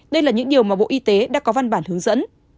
đây là những điều mà bộ y tế đã có văn bản hướng dẫn